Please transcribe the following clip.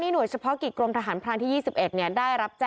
นำนำนำนำนำ